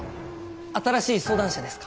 新しい相談者ですか？